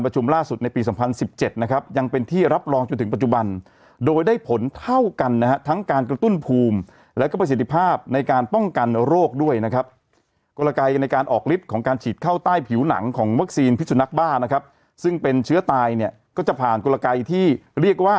ล่าสุดในปี๒๐๑๗นะครับยังเป็นที่รับรองจนถึงปัจจุบันโดยได้ผลเท่ากันนะฮะทั้งการกระตุ้นภูมิแล้วก็ประสิทธิภาพในการป้องกันโรคด้วยนะครับกลไกในการออกฤทธิ์ของการฉีดเข้าใต้ผิวหนังของวัคซีนพิสุนักบ้านะครับซึ่งเป็นเชื้อตายเนี่ยก็จะผ่านกลไกที่เรียกว่า